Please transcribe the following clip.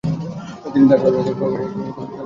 তিনি দাগেস্তান ও ককেশাসের একজন ধর্মীয় নেতা ও মহান বীর।